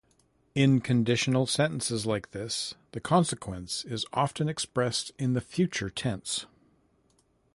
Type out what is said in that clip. In conditional sentences like this, the consequence is often expressed in the future tense.